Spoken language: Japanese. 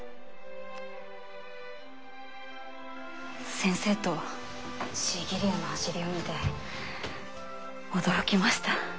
先生とシーギリアの走りを見て驚きました。